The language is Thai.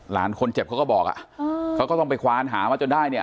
หลานคนเจ็บเขาก็บอกอ่ะเขาก็ต้องไปควานหามาจนได้เนี่ย